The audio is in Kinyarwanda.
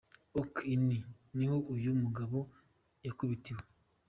Oak Inn niho uyu mugore yakubitiwe.